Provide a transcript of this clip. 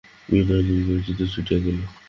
বিনয়ের নির্জীবতা ছুটিয়া গেল।